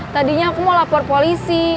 tadinya aku mau lapor polisi